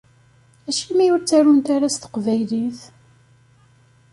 Acimi ur ttarunt ara s teqbaylit?